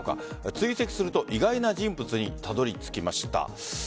追跡すると意外な人物にたどり着きました。